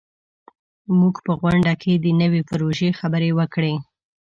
موږ په غونډه کې د نوي پروژې خبرې وکړې.